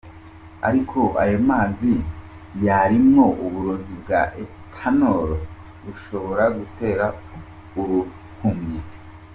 Ariko ayo mazi yarimwo uburozi bwa Ethanol bushobora gutera uruhumyi.